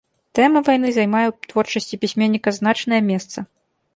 Тэма вайны займае ў творчасці пісьменніка значнае месца.